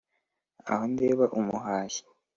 aho ndeba umuhashyi